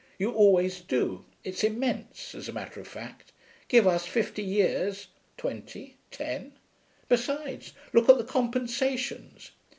You always do. It's immense, as a matter of fact. Give us fifty years twenty ten.... Besides, look at the compensations.